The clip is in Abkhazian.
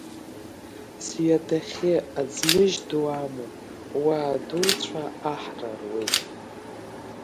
Сҩадахьы аӡмыжь ду амоуп, уа адуцәа аҳра руеит.